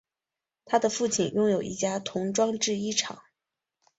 他的父亲拥有一家童装制衣厂。